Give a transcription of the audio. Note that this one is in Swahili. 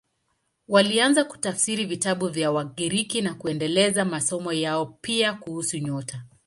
Walianza kutafsiri vitabu vya Wagiriki na kuendeleza elimu yao, pia kuhusu nyota.